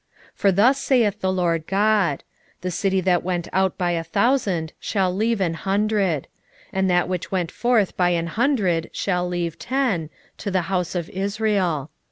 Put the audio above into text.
5:3 For thus saith the Lord GOD; The city that went out by a thousand shall leave an hundred, and that which went forth by an hundred shall leave ten, to the house of Israel.